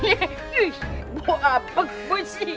wih boapeng bos